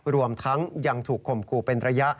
รวมทั้งยังถูกข่มขู่เป็นระยะ